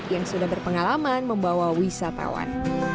yang sudah berpengalaman membawa wisatawan